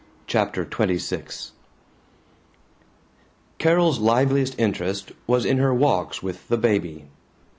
CHAPTER XXVI CAROL'S liveliest interest was in her walks with the baby.